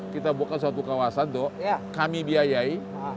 kita buatkan suatu kawasan tuk kami biayai